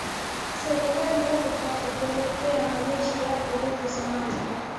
serikali yake kwa kupeleka majeshi yake huko somalia